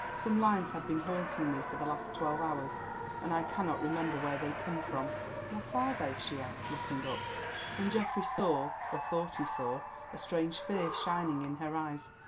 Some lines have been haunting me for the last twelve hours, and I cannot remember where they come from." "What are they?" she asked, looking up, and Geoffrey saw, or thought he saw, a strange fear shining in her eyes.